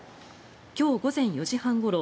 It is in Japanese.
今日午前４時半ごろ